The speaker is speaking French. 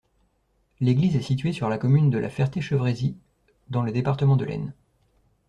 L'église est située sur la commune de La Ferté-Chevresis, dans le département de l'Aisne.